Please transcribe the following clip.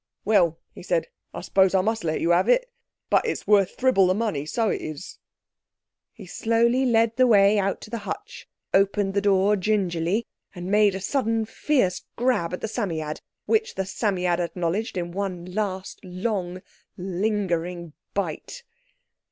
"Well!" he said, "I suppose I must let you have it, but it's worth thribble the money, so it is—" He slowly led the way out to the hutch—opened the door gingerly, and made a sudden fierce grab at the Psammead, which the Psammead acknowledged in one last long lingering bite.